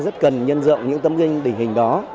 rất cần nhân rộng những tấm kinh đỉnh hình đó